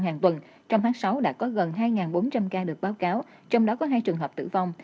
hàng tuần trong tháng sáu đã có gần hai bốn trăm linh ca được báo cáo trong đó có hai trường hợp tử vong